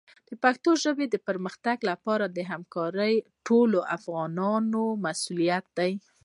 د پښتو ژبې د پرمختګ لپاره همکاري د ټولو افغانانو مسؤلیت دی.